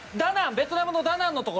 ベトナムのダナンの所。